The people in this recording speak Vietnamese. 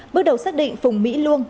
bước đầu xác định phùng mỹ luông